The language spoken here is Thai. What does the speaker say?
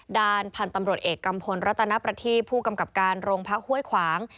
ด้านพันธุ์ตำรวจเอกกัมพลรัตนประทีผู้กำกับการโรงพักห้วยขวาง